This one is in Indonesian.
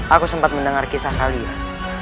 aku sempat mendengar kisah kalian